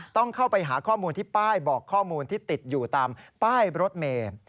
ต้องเข้าไปหาข้อมูลที่ป้ายบอกข้อมูลที่ติดอยู่ตามป้ายรถเมย์